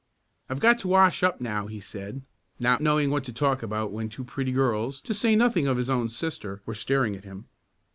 "I've got to wash up now," he said, not knowing what to talk about when two pretty girls, to say nothing of his own sister, were staring at him.